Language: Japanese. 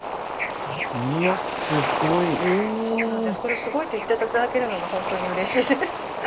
すごいと言っていただけるのが本当にうれしいです。